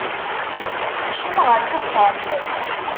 Kcem ɣer texxamt.